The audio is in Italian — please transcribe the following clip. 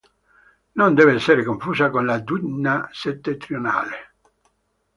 Non deve essere confusa con la Dvina settentrionale.